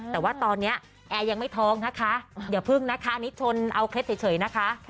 แต่ว่าตอนนี้แอร์ยังไม่ท้องนะคะอย่าพึ่งนะคะอันนี้ชนเอาเคล็ดเฉยนะคะ